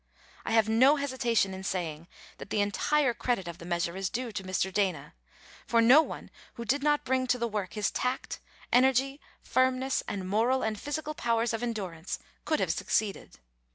I have no hesitation in saying that the entire credit of the measure is due to Mr. Dana, for no one who did not bring to the work his tact, energy, firmness, and moral and physical powers of endurance, could have succeeded.